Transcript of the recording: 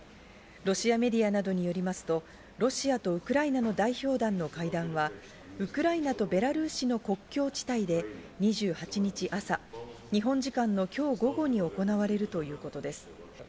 ロシアメディアなどによりますと、ロシアとウクライナの代表団の会談はウクライナとベラルーシの国境地帯で、２８日朝、日本時間の今日午後に行われるということです。